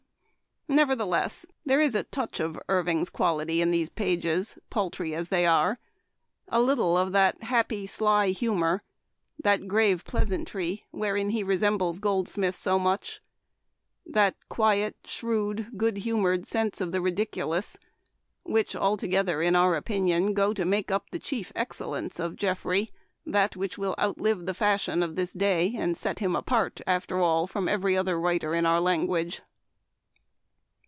Nevertheless, there is a touch of Irving' s quality in these pages, paltry as they are ; a little of that happy, sly humor, that grave pleasantry, (wherein he resembles Goldsmith so much,) that quiet, shrewd, good humored sense of the ridiculous, which alto gether, in our opinion, go to make up the chief excellence of Geoffrey, that which will outlive the fashion of this day, and set him apart, after all, from every writer in our language.